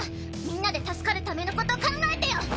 みんなで助かるためのこと考えてよ